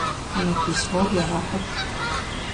Мы письмор егъэхьыт!